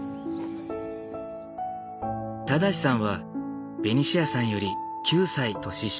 正さんはベニシアさんより９歳年下。